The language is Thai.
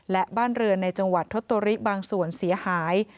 และบ้านเรือนในจังหวัดทศตริบางส่วนเสียหาย